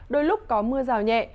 đôi lúc có mưa rào nhẹ